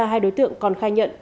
hai đối tượng còn khai nhận